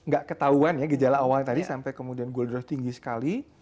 gak ketahuan ya gejala awal tadi sampai kemudian gold rush tinggi sekali